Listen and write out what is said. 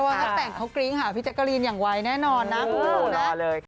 หรือว่าถ้าแต่งเขากิ๊งหาพี่จักรีนอย่างไหวแน่นอนนะ